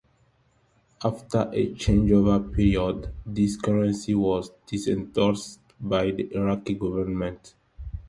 After a change-over period, this currency was disendorsed by the Iraqi government.